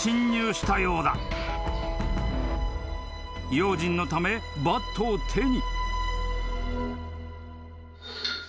［用心のためバットを手に］